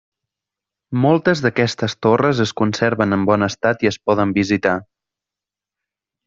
Moltes d'aquestes torres es conserven en bon estat i es poden visitar.